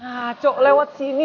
nah cok lewat sini